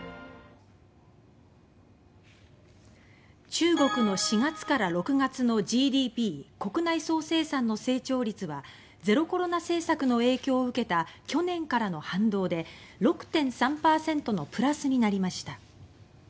中国の４月から６月のＧＤＰ・国内総生産の成長率はゼロコロナ政策の影響を受けた去年からの反動で６．３％のプラスになりました。